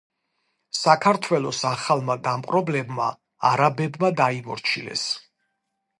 საქართველო ახალმა დამპყრობლებმა არაბებმა დაიმორჩილეს.